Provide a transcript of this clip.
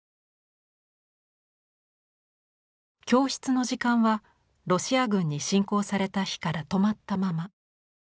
教室の時間はロシア軍に侵攻された日から止まったまま。